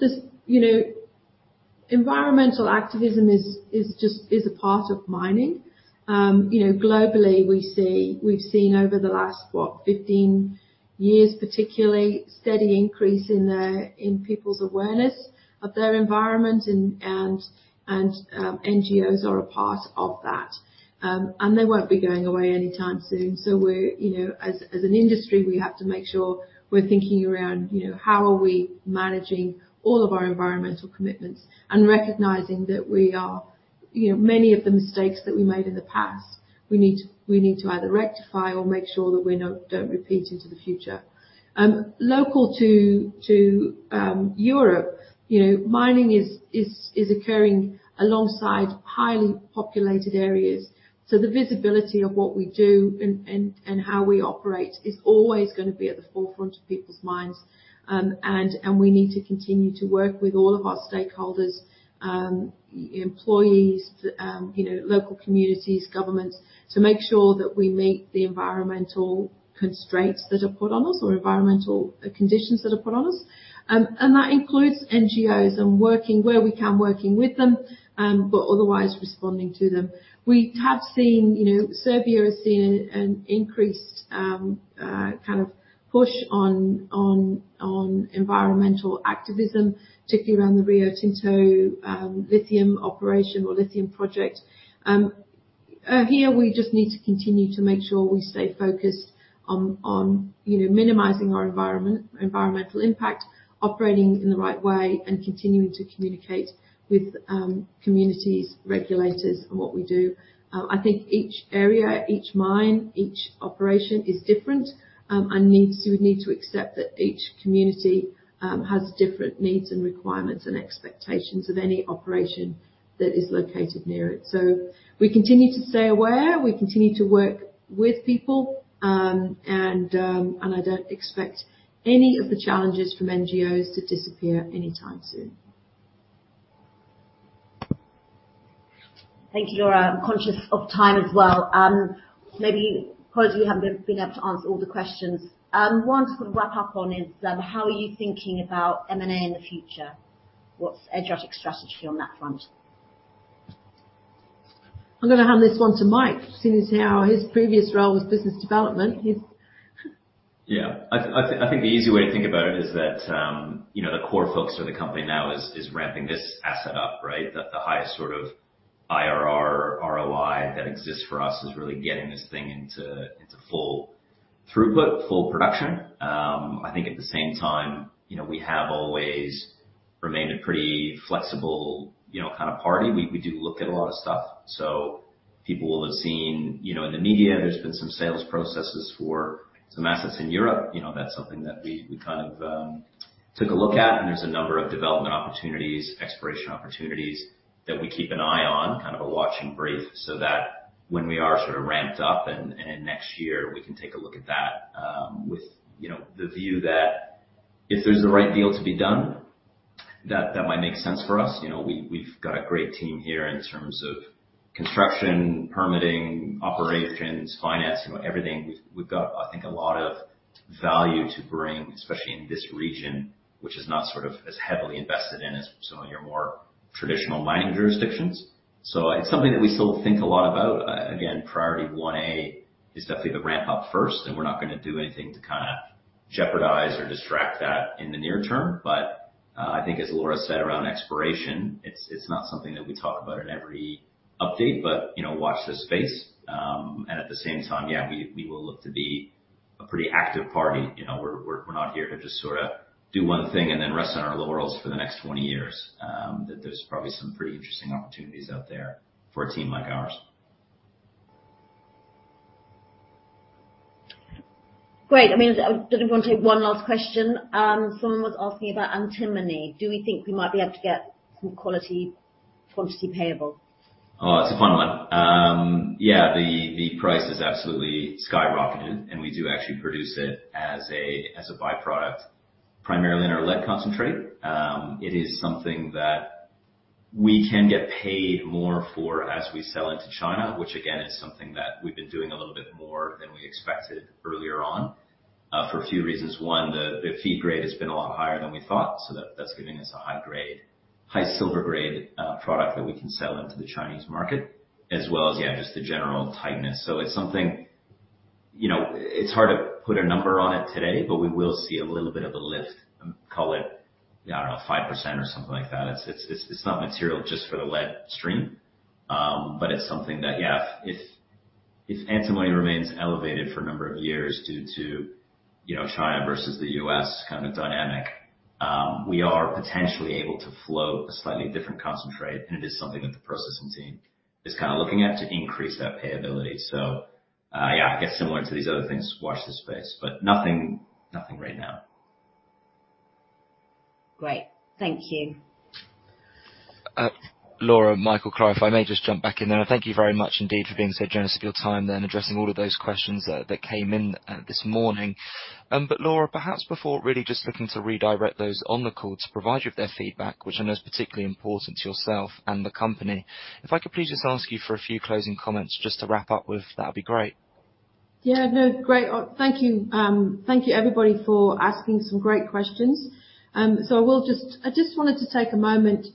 this, you know, environmental activism is just a part of mining. You know, globally, we see, we've seen over the last, what? 15 years, particularly, steady increase in people's awareness of their environment and NGOs are a part of that. And they won't be going away anytime soon. So we're, you know, as an industry, we have to make sure we're thinking around, you know, how are we managing all of our environmental commitments and recognizing that we are, you know, many of the mistakes that we made in the past, we need to either rectify or make sure that we're not- don't repeat into the future. Local to Europe, you know, mining is occurring alongside highly populated areas, so the visibility of what we do and how we operate is always gonna be at the forefront of people's minds. We need to continue to work with all of our stakeholders, employees, you know, local communities, governments, to make sure that we meet the environmental constraints that are put on us or environmental conditions that are put on us. That includes NGOs and working, where we can, working with them, but otherwise responding to them. We have seen, you know, Serbia has seen an increased kind of push on environmental activism, particularly around the Rio Tinto lithium operation or lithium project. Here, we just need to continue to make sure we stay focused on, you know, minimizing our environmental impact, operating in the right way, and continuing to communicate with communities, regulators, and what we do. I think each area, each mine, each operation is different, and needs to accept that each community has different needs and requirements, and expectations of any operation that is located near it. So we continue to stay aware, we continue to work with people, and I don't expect any of the challenges from NGOs to disappear anytime soon. Thank you, Laura. I'm conscious of time as well. Maybe because we haven't been able to answer all the questions. One to sort of wrap up on is, how are you thinking about M&A in the future? What's Adriatic's strategy on that front? I'm gonna hand this one to Mike, seeing as how his previous role was business development. He's. [audio distortion] Yeah. I think the easy way to think about it is that, you know, the core focus for the company now is ramping this asset up, right? The highest sort of IRR or ROI that exists for us is really getting this thing into full throughput, full production. I think at the same time, you know, we have always remained a pretty flexible, you know, kind of party. We do look at a lot of stuff. So people will have seen, you know, in the media, there's been some sales processes for some assets in Europe. You know, that's something that we kind of took a look at, and there's a number of development opportunities, exploration opportunities, that we keep an eye on, kind of a watching brief, so that when we are sort of ramped up and next year, we can take a look at that, with, you know, the view that if there's the right deal to be done, that might make sense for us. You know, we, we've got a great team here in terms of construction, permitting, operations, finance, you know, everything. We've got, I think, a lot of value to bring, especially in this region, which is not sort of as heavily invested in as some of your more traditional mining jurisdictions, so it's something that we still think a lot about. Again, priority one A is definitely to ramp up first, and we're not gonna do anything to kinda jeopardize or distract that in the near term. But I think as Laura said, around exploration, it's not something that we talk about in every update, but you know, watch this space. And at the same time, yeah, we will look to be a pretty active party. You know, we're not here to just sorta do one thing and then rest on our laurels for the next 20 years. That there's probably some pretty interesting opportunities out there for a team like ours. Great. I mean, I didn't want to take one last question. Someone was asking about antimony. Do we think we might be able to get some quality, quantity payable? Oh, it's a fun one. Yeah, the price has absolutely skyrocketed, and we do actually produce it as a byproduct, primarily in our lead concentrate. It is something that we can get paid more for as we sell into China, which again, is something that we've been doing a little bit more than we expected earlier on, for a few reasons. One, the feed grade has been a lot higher than we thought, so that's giving us a high grade, high silver grade product that we can sell into the Chinese market, as well as, yeah, just the general tightness. So it's something. You know, it's hard to put a number on it today, but we will see a little bit of a lift, call it, I don't know, 5% or something like that. It's not material just for the lead stream, but it's something that, yeah, if antimony remains elevated for a number of years due to, you know, China versus the US kind of dynamic, we are potentially able to flow a slightly different concentrate, and it is something that the processing team is kinda looking at to increase that payability. So, yeah, I guess similar to these other things, watch this space, but nothing right now. Great. Thank you. Laura, Michael, Klara, if I may just jump back in there. Thank you very much indeed for being so generous with your time then, addressing all of those questions that came in this morning. But Laura, perhaps before really just looking to redirect those on the call to provide you with their feedback, which I know is particularly important to yourself and the company, if I could please just ask you for a few closing comments just to wrap up with, that'd be great. Yeah, no, great. Thank you. Thank you, everybody, for asking some great questions. So I will just. I just wanted to take a moment,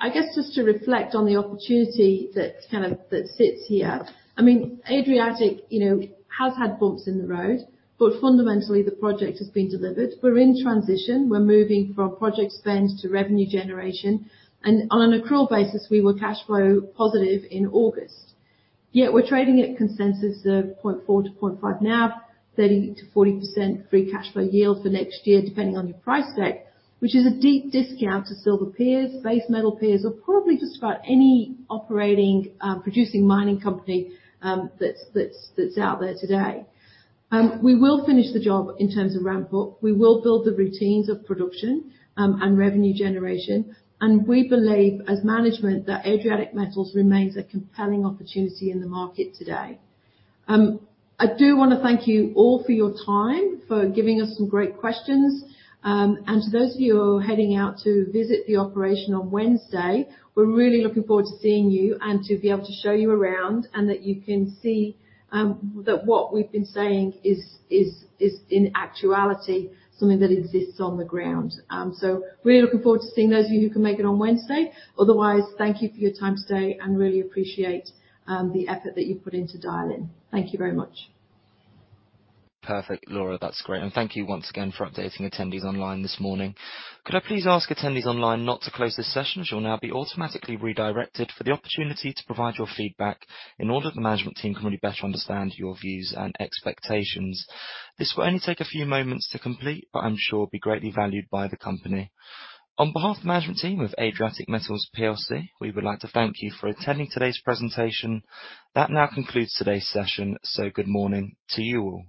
I guess, just to reflect on the opportunity that kind of, that sits here. I mean, Adriatic, you know, has had bumps in the road, but fundamentally, the project has been delivered. We're in transition. We're moving from project spend to revenue generation, and on an accrual basis, we were cash flow positive in August. Yet we're trading at consensus of 0.4-0.5 now, 30%-40% free cash flow yield for next year, depending on your price deck, which is a deep discount to silver peers, base metal peers, or probably just about any operating, producing mining company, that's out there today. We will finish the job in terms of ramp-up. We will build the routines of production, and revenue generation, and we believe, as management, that Adriatic Metals remains a compelling opportunity in the market today. I do wanna thank you all for your time, for giving us some great questions. And to those of you who are heading out to visit the operation on Wednesday, we're really looking forward to seeing you and to be able to show you around, and that you can see, that what we've been saying is in actuality, something that exists on the ground. So really looking forward to seeing those of you who can make it on Wednesday. Otherwise, thank you for your time today, and really appreciate the effort that you've put in to dial in. Thank you very much. Perfect, Laura. That's great, and thank you once again for updating attendees online this morning. Could I please ask attendees online not to close this session, as you'll now be automatically redirected for the opportunity to provide your feedback, in order that the management team can really better understand your views and expectations. This will only take a few moments to complete, but I'm sure it'll be greatly valued by the company. On behalf of the management team with Adriatic Metals PLC, we would like to thank you for attending today's presentation. That now concludes today's session, so good morning to you all.